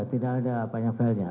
tidak ada apa yang failnya